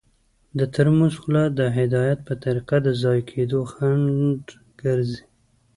د ترموز خوله د هدایت په طریقه د ضایع کیدو خنډ ګرځي.